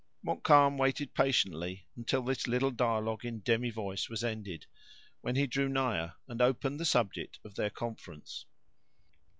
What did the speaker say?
Montcalm waited patiently until this little dialogue in demi voice was ended, when he drew nigher, and opened the subject of their conference.